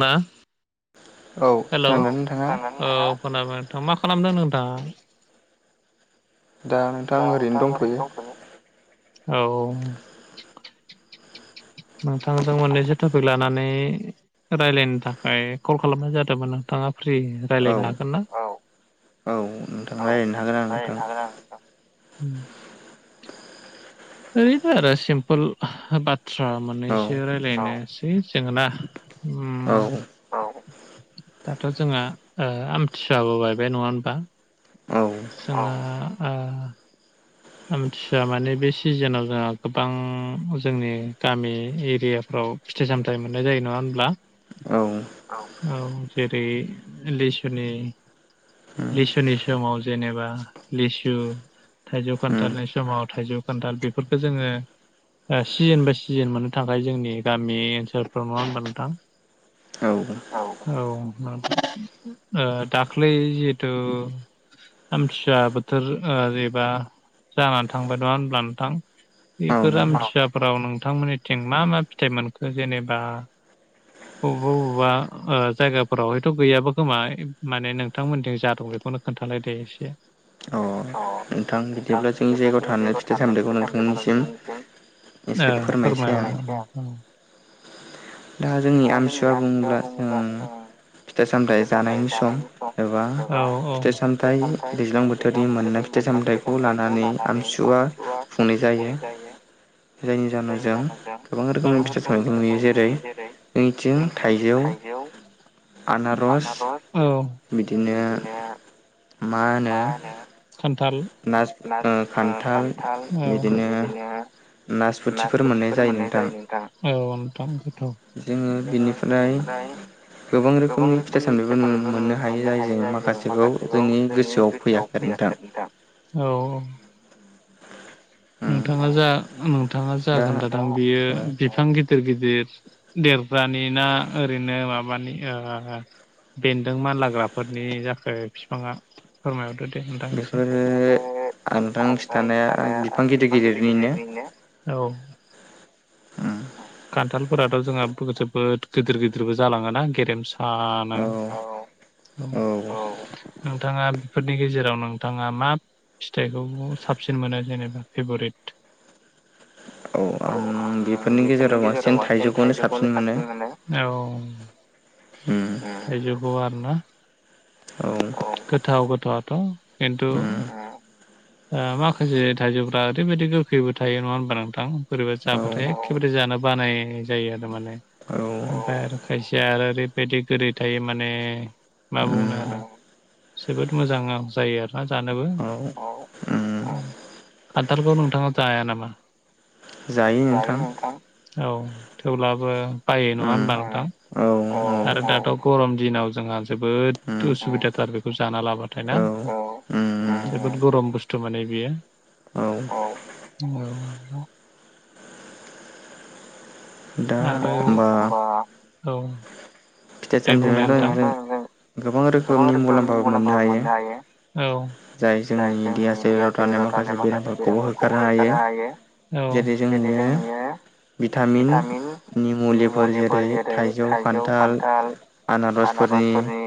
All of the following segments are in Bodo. मा हेल' औ खोनाबाय नोंथां मा खालामदों नोंथां दा नोंथां ओरैनो दंखायो औ नोंथांजों मोननैसो टपिक लानानै रायजलायनो थाखाय कल खालामनाय जादोंमोन नोंथाङा फ्रि औ औ नोंथां रायज्लायनो हागोन आं नोंथां हम ओरैनो आरो सिमपोल बाथ्रा मोननैसो रायलायनोसै जोङो ना औ दाथ' जोंहा आमथिसुवाबो बायबाय नङा होनबा जोङो ओ आमथिसुवा माने बे सिजोनाव जोंहा गोबां जोंनि गामि एरियाफ्राव फिथाइ सामथाय मोननाय जायो नङा होनोमब्ला औ जेरै लिसुनि लिसुनि समाव जेनेबा लिसु थाइजौ खान्थालनि समाव थाइजौ खान्थाल बेफोरखौ जोङो सिजोन बाय सिजोन मोननो थाखाय जोंनि गामि ओनसोलफोराव नङा होनबा नोंथां औ दाख्लै जिहेथु आमथिव बोथोर एबा जानानै थांबाय नङा होनब्ल नोंथां बेफोर आमथिुवाफोराव नोंथांमोननिथिं मा मा फिथाइ मोनखो जेनेबा [inaudible] बबेबा बबेबा जायगाफोराव हयथ' गैयाबा खोमा माने नोंथांमोनजों जादों बेखौनो खोन्थालाय दे एसे अ नोंथां बिदिब्ला जोंनि जायगायाव थानायानानै फिथाइ सामथाइखौ नोंथांनिसिम एसे फोरमायनोसै आं दा जोंनि आमसुवा बुङोब्ला जों फिथाइ सामथायाइ जानायनि सम एबा फिथाइ सामथायाइ दैज्लां बोथोरनि मोननाय फिथाइ सामथायाइखौ खौ लानानै आमसुवा फुंनाय जायो जायनि जाहोनाव जों गोबां रोखोमनि फिथाइ सनायखौ नुयो जेरै एथि थायजाव आनार बिदिनो मा होनो खान्थाल न खान्थाल बिदिनो नासफथिफोर मोननाय जायो नोंथां औ नोंथां नंगौ जोङो बिनिफ्राय गोबां रोखोमनि फिथा सामथाइबो मोननो हायो जाय जों माखासेखौ जोंनि गोसोआव फैया फैयाखारों दां और औ नोंथाङा जा नोंथाङा जागोन दादां बियो बिफां गिदिर गिदिर देरग्रानि ना ओरैनो माबानि बेन्दों माल लाग्राफोरनि जाखो बिफाङा फोरमायहरदो दे नोंथां एसेफ्राय आंथां सानाया औ खान्थालफोराथ' जोंहा जोबोद गिदिर गिदिरबो जालाङोना गेरेमसानो औ नोंथाङा बेफोरनि गेजेराव नोंथाङा मा फिथाइखौ साबसिन मोनो जेनेबा फेभरिट औ आं बेफोरनि गेजेराव बांसिन थाइजौखौनो साबसिन मोनो औ थायजौखौ आरो ना आं गोथाव गोथाव आथ खिन्थु दा आ माखासे थाइजौ ओरैबायदि गोखैबो थायो नङा होनबा नोंथां बोरैबा जाबाथाय एखेबारे जानो बानाय जायो आरो माने ओमफ्राय आरो खायसेया आरो ओरैबायदि गोदै थायो माने मा बुंनो आरो जोबोद मोजां जायो आरोना जानोबो खााथालखौ नोंथाङा जाया नामा जायो नोंथां औ थेवब्लाबो बायो नङा होनबा नोंथां आरो दाथ' गरम दिनाव जोंहा जोबोद उसुबिदाथार बेखौ जाना लाबाथाय ना [unintelligible] जोबोद गरम बुस्थु माने बियो औ औ आरो औ दे बुंलाय नोंथां गोबां रोखोमनि मुलाम्फाबो मोननो हायो औ जाय जोंनि मिडिया सेराव थानाय माखासे बेरामफोरखौबो होखारनो हायो औ जेरै जोंनियो भिटामिननि मुलिफोर जेरै थाइजौ खान्थाल आनारजफोरनि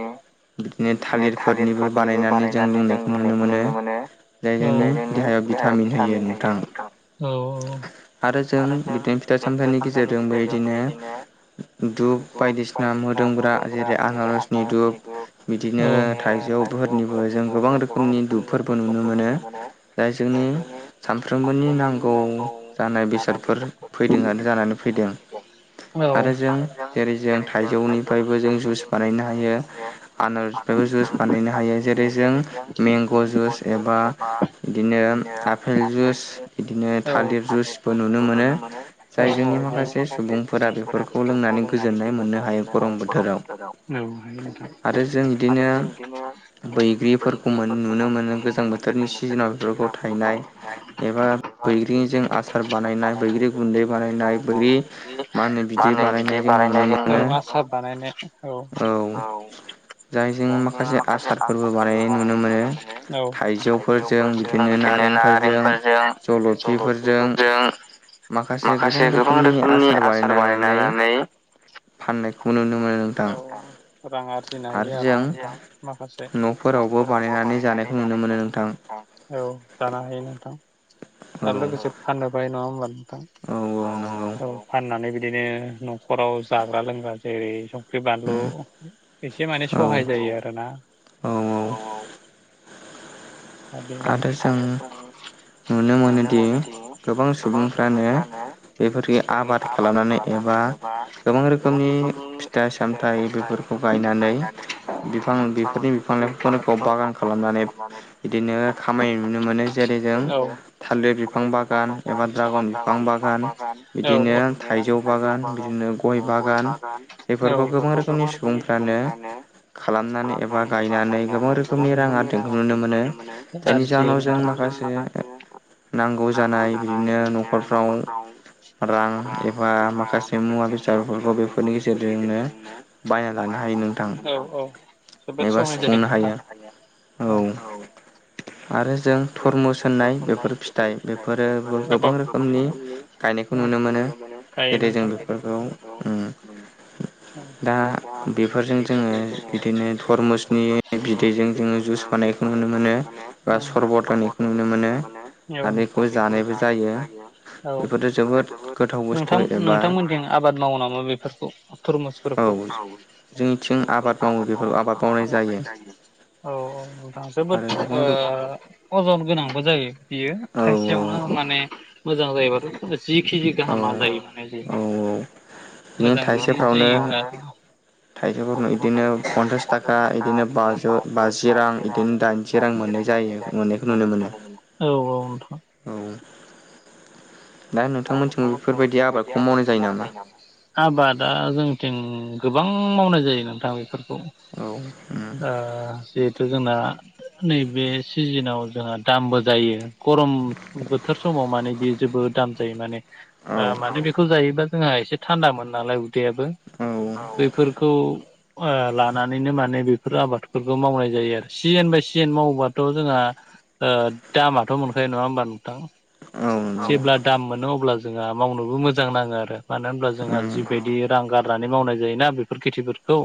बिदिनो थालिरफोरनिबो बानायनानै जों लोंनायखौ नुनो मोनो औ [unintelligible] देहायाव भिटामिनयो थायो नोंथां औ औ आरो जों बिदिनो फिथाइ सामथाइनि गेजेरजोंबो बिदिनो धुप बायदिसि ना मोदोमग्रा जेरै आनारजनि दुप बिदिनो थाइजौफोरनिबो जों गोबां रोखोमनि दुपफोरबो नुनो मोनो। जाय जोंनि सानफ्रोमबोनि नांगौ जानाय बेसादफोर फैदों आ जानानै फैदों आरो जों जेरै जों थाइजौनिफ्रायबो जों जुस बानायनो हायो आनारनिफ्रायबो जुस बानायनो हायो जेरै जों मेंग' जुस एबा इदिनो आफेल जुस इदिनो थालिर जुस नुनो मोनो माखासे सुबुंफोरा बेफोरखौ लोंनानै गोजोननाय मोननो हायो गरम बोथोराव आरो जों बिदिनो बैग्रिफोरखौ मोन नुनो मोनो गोजां बोथोरनि सिजोनाव बेफोरखौ थायनाय एबा बैग्रि जों आसार बानायनाय बैग्रि गुन्दै बानायनाय बैग्रि मा होनो बिदि बानायनाय जों नुनो औ मो आसार बानायाय औ औ जाय जोङो माखासे आसार फोरबो बानायनाय नुनो मोनो थायजौ फोरजों बिदिनो नारेंफोरजों जल'फिफोरजों माखासे गोबां रोखोमनि आसार बानायनानानै औ रां आरजिनो हायो आरो ना बिदि जों खासे न'फोरावबो बानायनानै जानायखौ नुनो मोनो। औ जानो हायो नोंथां आरो लोगोसे फाननोबो हायो नङा होमबा नोंथां औ औ औ फाननानै बिदिनो न'खराव जाग्रा लोंग्रा जेरै ख्रि बानलु एसे माने सहाय जायो आरो ना [unintelligible] नुनो मोनोदि गोबां सुबुंफ्रानो बेफोरखि आबाद खालामनानै एबा गोबां रोखोमनि फिथाइ सामथाइ बेफोर [unintelligible] खामायनाय नुनो मोनो जेरै जों थालिर बिफां बागान एबा द्रागन बिफां बागान बिदिनो थाइजौ बागान बिदिनो गय बागान बेफोरखौ गोबां रोखोमनि सुबुंफ्रानो खालामनानै एबा गायनानै गोबां रोखोमनि रां आरनायखौ नुनो मोनो। [unintelligible] जों माखासे नांगौ जानाय बिदिनो न'खरफ्राव रां एबा माखासे मुवा बेसादफोरखौ बेफोरनि गेजेरजोंनो बायना लानो हायो नोंथां। जोबोद सहाय जायो नोंथां औ आरो जों थरमुस होननाय बेफोर फिथाइ बेफोरो गोबां रोखोमनि उम गायो नोंथां दा बेफोरजों जोङो बिदिनो थुरमुस दोङो [unintelligible] माने इखौ नुनो मोनो। [unintelligible] मोनो आरो बेखौ जानायबो जायो। औ नोंथां नोंथांमोनथिं आबाद मावो नामा बेफोरखौ? थुरमुसफोरखौ औ जोंनिथिं आबाद मावो बिखौ आबाद मावनाय जायो औ औ नोंथां जोबोद ओ अजन गोनांबो जायो बियो थाइसेयावनो माने मोजां जायोबाथ' जि खिजि गाहामा जायो माने बियो मोजां जुदि जायोबा थाइसेफोरनो इदिनो पन्सास थाखा इदिनो बाजौ बाजि रां इदिनो दाइनजि रां मोननाय जायो मोननायखौ नुनो मोनो। औ औ नोथां दा नोंथांमोनथिंबो बेफोरबायदि आबादखौ मावनाय जायो नामा? आबादा जोंनिथिं गोबां मावनाय जायो नोंथां बेफोरखौ। ओ जिहेथु जोंना नैबे सिजिनाव जोंहा दामबो जायो। गरम बोथोर समाव माने बे जोबोद दाम जायो माने। ओ माने बेखौ जायोबा जोंहा एसे थान्दामोनो नालाय याबो बैफोरखौ ओ लानानैनो माने बेफोर आबादफोरखौ मावनाय जायो आरो। सिजेन बाय सिजोन मावोबाथ' जोंहा ओ दामाथ' मोनखायो नङा होमबा नोंथां? औ। मोनो अब्ला जोंहा मावनोबो मोजां नाङो आरो मानो होनब्ला जों जिबायदि रां गा नानै मावनाय जायोना बेफोर खेथिफोरखौ।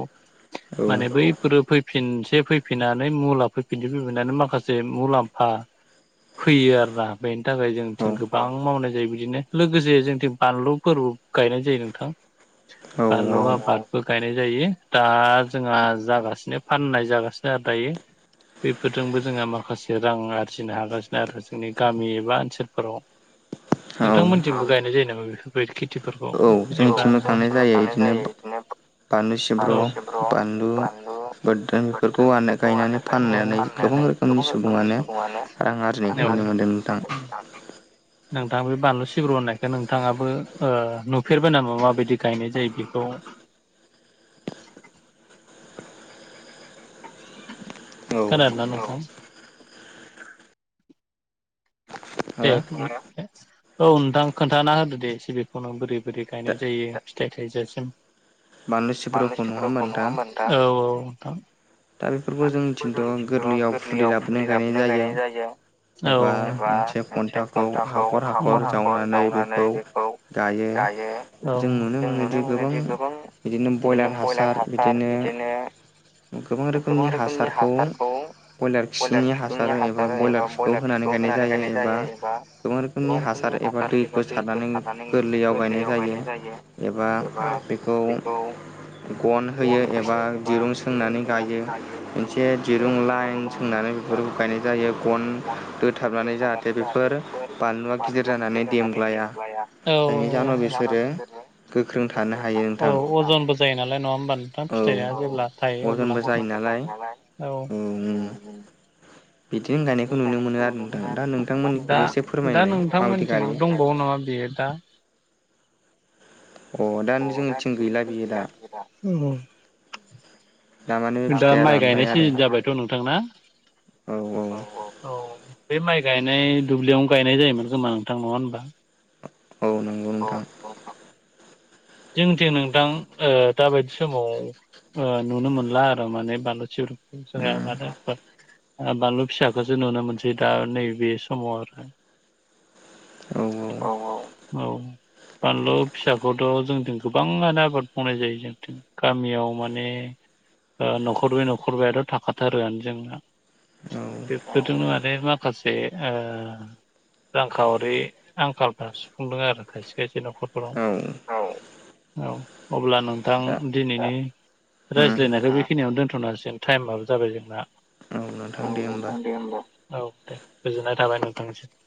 माने बै फोरो फैफिनसे फैफिननानै मुला फैफिनसे फैफिननानै माखासे मुलाम्फा फैयो आरोना बेनि थाखाय जोंनिथिं गोबां मावनाय जायो बिदिनो लोगोसे जोंथिं बानलुफोरबो गायनाय जायो नोंथां। बानलु आबाद बो गायनाय जायो। दा जोंहा जागासिनो फाननाय जागासिनो आरो दायो। बेफोरजोंबो जोंहा माखासे रां आरजिनो हागासिनो आरो जोंनि गामि एबा ओनसोलफोराव। नोंथांमोनथिंबो गायनाय जायो नामा बेफोर बे खेथिफोरखौ एबा औ जोंनिथिंबो गायनाय जायो इदिनो। फानलु सिब्र बानलु बोरदोन बेफोरखौ आरो गायनानै फाननानै गोखां रोखोमनि सुबुंआनो [unintelligible] नोंथां बे बानलु सिब्र होननायखौ नोंथाङाबो ओ नुफेरबाय नामा माबायदि गायनाय जायो बेखौ? [unintelligible] औ। खोनादोंना नोंथां? दे औ नोंथां खोन्थाना होदो दे एसे बिखौनो बोरै बोरै गायनाय जायो। फिथाइ थाइजासिम। बानलु सिब्रखौ नङा होम्बा नोंथां? औ औ नोंथां। आरो बो जोंनि खिन्थु गोरलैयाव फुलि लाबोनानै गायनाय जायो। औ औ एबा मोनसे खन्थाखौ हाखर हाखर जावनानै बेखौ दायो औ जों नुनो मोनोदि गोबां बिदिनो ब्रयलार हा सार बिदिनो गोबां रोखोमनि हासारखौ ब्रयलार खिनि हासार एबा ब्रयलार खौ होनानै गायनाय जायो एबा गोबां रोखोमनि हासार एबा दैखौ सारनानै गोरलैआव गायनाय जायो। एबा बेखौ गन होयो एबा दिरुं सोंनानै गायो। मोनसे दिरुं लाइन सोंनानै बेफोरखौ गायनाय जायो। गन गन दोथाबनानै जाहाथे बेफोर बानलुआ गिदिर जानानै देमग्लाया। औ औ [unintelligible] औ अजनबो जायो नालाय नङा होमबा नोंथां फिथाइया जेब्ला थायो अब्ला। [unintelligible] औ। बिदिनो गायनायखौ नुनो मोनो आरो नोंथां। दा नोंथांमोननिखौबो एसे फोरमायलाय माबायदि गायो। अ दा जोंनिथिं गैला बियो दा। औ। दा माइ गायनाय सिजोन जाबायथ' नोंथां ना? औ औ। बे माइ गायनाय दुब्लियावनो गायनाय जायोमोन खोमा नोंथां नङा होनबा? औ नंगौ नोंथां। जोंथिं नोंथां ओ दाबायदि समाव ओ नुनो मोनला आरो माने बानलु सिब्र [unintelligible] आं बानलु फिसाखौसो नुनो मोनसै दा नैबे समाव आरो। औ औ औ बानलु फिसाखौथ' जोनिथिं गोबाङानो आबाद मावनाय जायो जोंथिं गामियाव माने ओ न'खरब्रै न'खरबायाथ' थाखाथारोआनो जोंना बेफोरजोंनो माने मा माखासे ओ रांखावरि आंखालफ्रा सुफुंदों आरो खायसे खायसे न'खरफोर उम औ औ अब्ला नोंथां दिनैनि रायज्लायनायखौ बेखिनियावनो दोनथ'नो हासिगोन टाइमआो जाबाय जोंना। ओम दे होनबा औ दे गोजोननाय थाबाय नोंथांनिसिम।